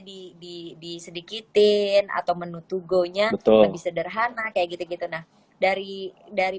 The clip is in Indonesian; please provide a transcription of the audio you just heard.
disedikitin atau menu to go nya lebih sederhana kayak gitu gitu nah dari